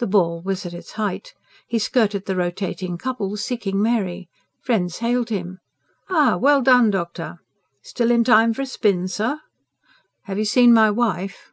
The ball was at its height. He skirted the rotating couples, seeking Mary. Friends hailed him. "Ah, well done, doctor!" "Still in time for a spin, sir." "Have you seen my wife?"